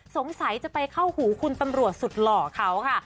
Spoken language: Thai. สงสัยจะไปเข้าหูคุณตำรวจสุดหล่อเขาค่ะ